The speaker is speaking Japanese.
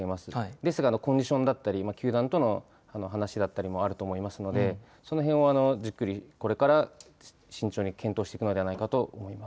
ですが、コンディションだったり、球団との話だったりもあると思いますので、そのへんをじっくり、これから慎重に検討していくのではないかと思います。